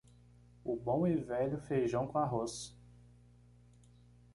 O bom e velho feijão com arroz